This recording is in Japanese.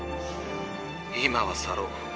今は去ろう。